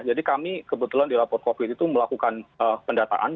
jadi kami kebetulan di lapor covid itu melakukan pendataan